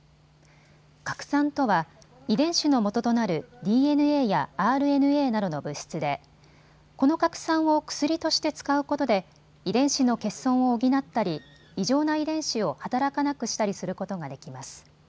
核酸とは遺伝子の元となるＤＮＡやＲＮＡなどの物質でこの核酸を薬として使うことで遺伝子の欠損を補ったり異常な遺伝子を働かなくしたりすることができます。